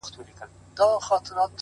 هغه خو ټوله ژوند تاته درکړی وو په مينه ـ